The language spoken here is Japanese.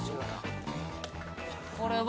これは？